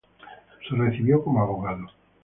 Se recibió como abogado.